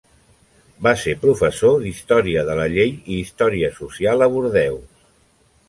Va ser professor d'història de la llei i història social a Bordeus.